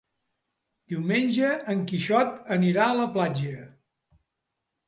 Diumenge en Quixot anirà a la platja.